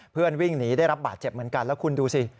วิ่งหนีได้รับบาดเจ็บเหมือนกันแล้วคุณดูสิ